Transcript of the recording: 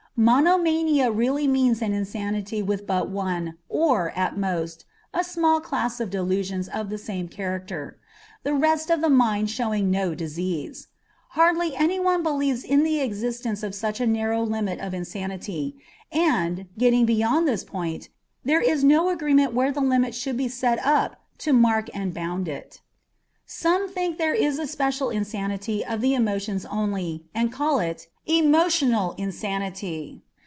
Monomania really means an insanity with but one, or, at most, a small class of delusions of the same character, the rest of the mind showing no disease. Hardly any one believes in the existence of such a narrow limit to insanity, and, getting beyond this point, there is no agreement where the limit should be set up to mark and bound it. Some think there is a special insanity of the emotions only, and call it "emotional insanity."